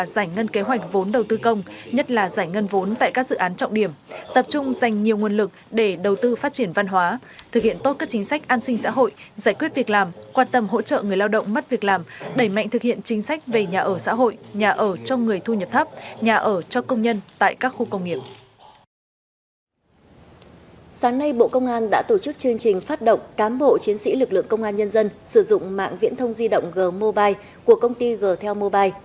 đầu tư công nhất là giải ngân vốn tại các dự án trọng điểm tập trung dành nhiều nguồn lực để đầu tư phát triển văn hóa thực hiện tốt các chính sách an sinh xã hội giải quyết việc làm quan tâm hỗ trợ người lao động mắt việc làm đẩy mạnh thực hiện chính sách về nhà ở xã hội nhà ở cho người thu nhập thấp nhà ở cho công nhân tại các khu công nghiệp